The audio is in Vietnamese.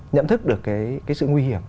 nhận thức được cái sự nguy hiểm